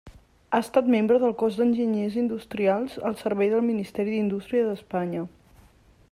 Ha estat membre del Cos d'Enginyers Industrials al servei del Ministeri d'Indústria d'Espanya.